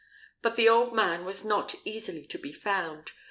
But the old man was not easily to be found.